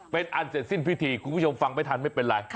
เป็นอันเสร็จสิ้นพิธีคุณผู้ชมฟังไม่ทันไม่เป็นไร